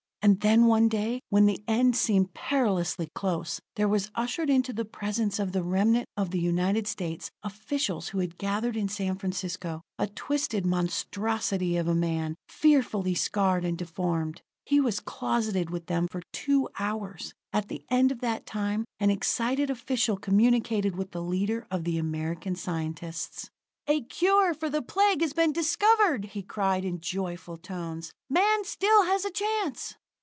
And then one day when the end seemed perilously close, there was ushered into the presence of the remnant of the United States officials who had gathered in San Francisco, a twisted monstrosity of a man, fearfully scarred and deformed. He was closeted with them for two hours. At the end of that time an excited official communicated with the leader of the American scientists. "A cure for the Plague has been discovered!" he cried in joyful tones. "Man still has a chance!"